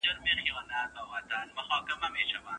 فېشن د هر نوي دور جامه ده.